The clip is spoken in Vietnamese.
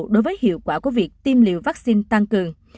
đối với hiệu quả của việc tiêm liều vaccine tăng cường